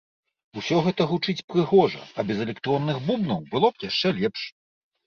Усё гэта гучыць прыгожа, а без электронных бубнаў было б яшчэ лепш.